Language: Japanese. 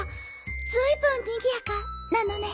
ずいぶんにぎやかなのね。